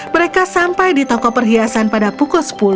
mereka sampai di toko perhiasan pada pukul sepuluh